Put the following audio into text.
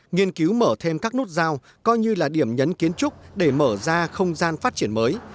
nghiên cứu mở thêm các nút giao coi như là điểm nhấn kiến trúc để mở ra không gian phát triển mới